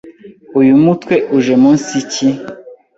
Uyu mutwe uje munsi ki?